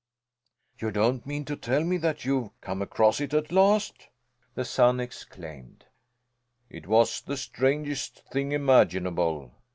"You don't mean to tell me that you've come across it at last!" the son exclaimed. "It was the strangest thing imaginable!"